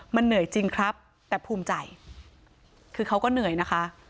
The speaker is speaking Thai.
มันเหนื่อยจริงครับแต่ภูมิใจคือเขาก็เหนื่อยนะคะ